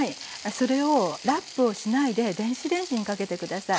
それをラップをしないで電子レンジにかけて下さい。